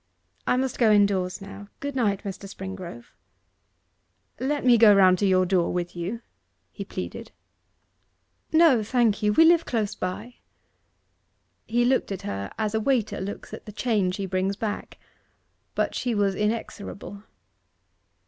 I must go indoors now. Good night, Mr. Springrove.' 'Let me go round to your door with you?' he pleaded. 'No, thank you; we live close by.' He looked at her as a waiter looks at the change he brings back. But she was inexorable.